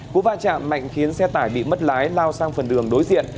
cú va chạm mạnh khiến xe tải bị mất lái lao sang phần đường đối diện